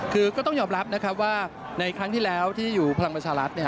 คือก็ต้องยอมรับนะครับว่าในครั้งที่แล้วที่อยู่พลังประชารัฐ